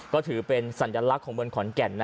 ก็ถือเป็นสัญลักษณ์ของเมืองขอนแก่น